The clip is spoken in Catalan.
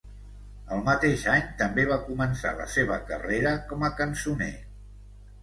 El mateix any, també va començar la seva carrera com a cançoner.